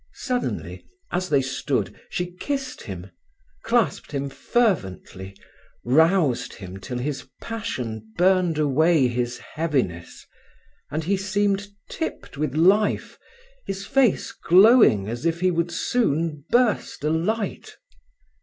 Suddenly, as they stood, she kissed him, clasped him fervently, roused him till his passion burned away his heaviness, and he seemed tipped with life, his face glowing as if soon he would burst alight.